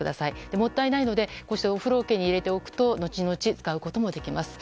もったいないのでお風呂桶に入れておくと後々、使うこともできます。